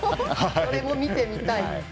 それも見てみたい。